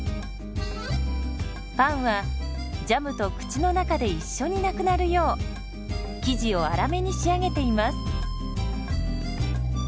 パンはジャムと口の中で一緒になくなるよう生地を粗めに仕上げています。